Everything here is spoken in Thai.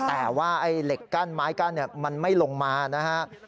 แต่ว่าไอ้เหล็กกั้นไม้กั้นมันไม่ลงมานะครับ